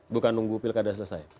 bukan nunggu pilkada selesai